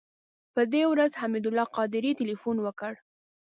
په دې ورځ حمید الله قادري تیلفون وکړ.